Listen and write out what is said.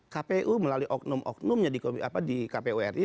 kpu melalui oknum oknumnya di kpuri